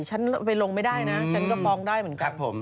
ฉันไปลงไม่ได้นะฉันก็ฟ้องได้เหมือนกัน